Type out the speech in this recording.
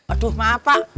aduh maaf pak